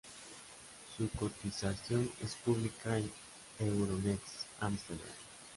Su cotización es pública en Euronext Ámsterdam.